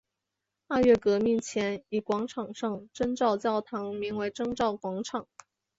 二月革命前以广场上的征兆教堂名为征兆广场。